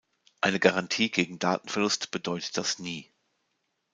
Eine Garantie gegen Datenverlust bedeutet das nie.